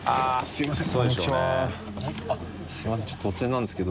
すいません